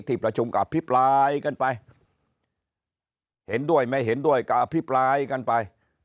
ที่ประชุมกับอภิปรายกันไปเห็นด้วยไม่เห็นด้วยก็อภิปรายกันไป